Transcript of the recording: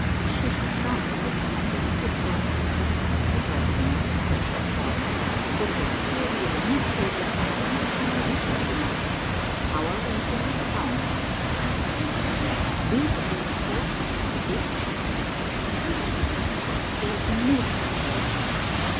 "And she shall not be disappointed, if God helps us," replied the woman, after a short pause; "but I fear you must leave this house and the town also to night." "How are we to leave the town?" "I will arrange that; be ready at four o'clock, for the gates are shut at dusk. I must go now, for there is no time to be lost."